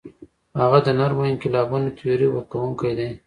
هغه د نرمو انقلابونو تیوري ورکوونکی دی.